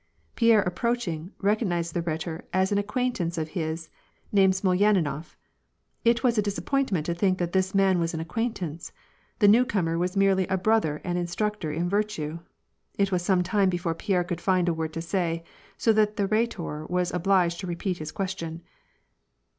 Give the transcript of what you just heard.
Pierre approaching, recognized the Ehetor as an acquaintance of his, named Smolyaninof ; it was a disappointment to think that this man was an acquaintance : the new comer was merely a brother and instructor in virtue. It was some time before Pierre could hnd a word to say; so that the Khetor was obliged to repeat his question.